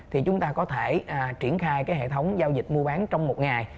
thì chúng ta có thể triển khai cái hệ thống giao dịch mua bán trong một ngày